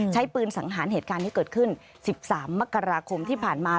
ใช้ปืนสังหารเหตุการณ์ที่เกิดขึ้น๑๓มกราคมที่ผ่านมา